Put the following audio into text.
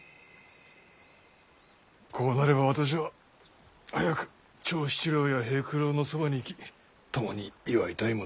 こうなれば私は早く長七郎や平九郎のそばに行き共に祝いたいものだ。